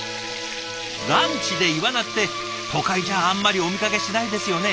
ランチでイワナって都会じゃあんまりお見かけしないですよね。